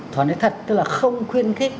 thỏa nói thật tức là không khuyên khích